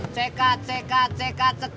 cekak cekak cekakak